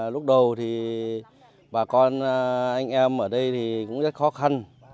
lúc đầu thì bà con anh em ở đây thì cũng rất khó khăn